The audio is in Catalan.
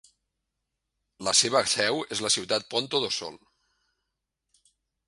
La seva seu és la ciutat Ponta do Sol.